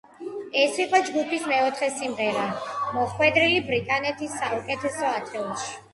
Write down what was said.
ეს იყო ჯგუფის მეოთხე სიმღერა, მოხვედრილი ბრიტანეთის საუკეთესო ათეულში.